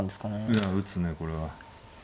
いや打つねこれは。